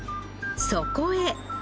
そこへ。